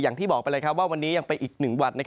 อย่างที่บอกไปเลยว่าวันนี้ยังไปอีกหนึ่งวัน